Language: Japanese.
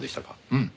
うん。